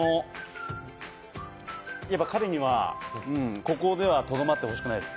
やっぱ彼には、ここではとどまってほしくないです。